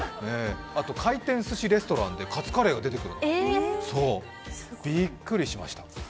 あと回転ずしレストランでカツカレーが出てきてびっくりしまた。